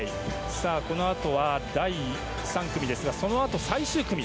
このあとは第３組ですがそのあと、最終組。